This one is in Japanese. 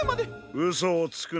うそをつくな。